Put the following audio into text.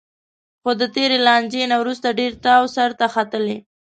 خو د تېرې لانجې نه وروسته ډېر تاو سرته ختلی